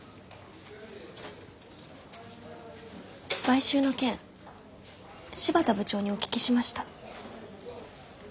買収の件新発田部長にお聞きしました。